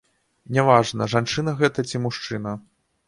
Не важна, жанчына гэта ці мужчына.